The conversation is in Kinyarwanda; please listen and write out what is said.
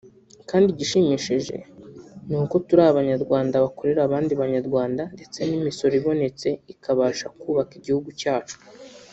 kandi igishimishije ni uko turi Abanyarwanda bakorera abandi Banyarwanda ndetse n’imisoro ibonetse ikabasha kubaka igihugu cyacu